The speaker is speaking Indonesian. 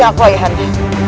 ini aku ayahanda